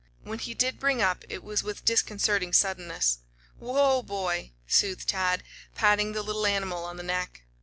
When he did bring up it was with disconcerting suddenness. "Whoa, boy!" soothed Tad, patting the little animal on the neck.